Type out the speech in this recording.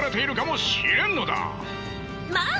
まあ！